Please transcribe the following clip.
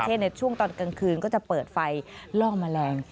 ในช่วงตอนกลางคืนก็จะเปิดไฟล่อแมลง